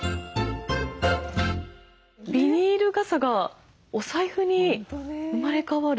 ビニール傘がお財布に生まれ変わる。